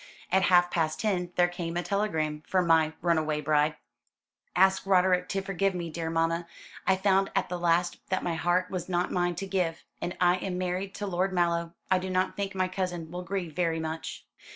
"At half past ten there came a telegram from my runaway bride: "'Ask Roderick to forgive me, dear mamma. I found at the last that my heart was not mine to give, and I am married to Lord Mallow. I do not think my cousin will grieve very much.'